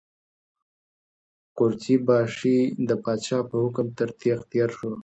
قورچي باشي د پادشاه په حکم تر تېغ تېر شو.